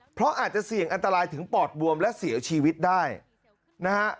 เพราะอาจจะเสี่ยงอันตรายถึงปอดบวมและเสียชีวิตได้นะฮะ